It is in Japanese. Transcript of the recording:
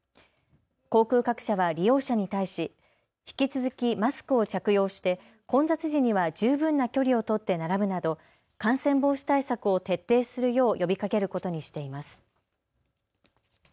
航空各社は利用者に対し引き続きマスクを着用して混雑時には十分な距離を取って並ぶなど感染防止対策を徹底するよう呼びかけることにしています。